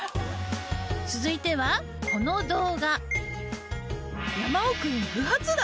続いてはこの動画。